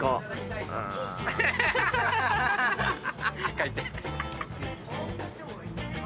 書いて。